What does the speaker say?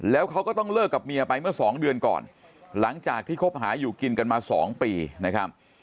แล้วเขาก็ต้องเลิกกับเมียไปเมื่อสองเดือนก่อนหลังจากที่คบหาอยู่กินกันมา๒ปีนะครับ